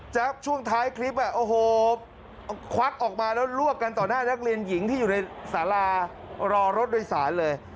ช่วงท้ายคลิปโอ้โหควักออกมาแล้วลวกกันต่อหน้านักเรียนหญิงที่อยู่ในสารารอรถโดยสารเลย